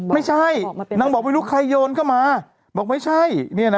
ไม่ใช่นางบอกไม่รู้ใครโยนเข้ามาบอกไม่ใช่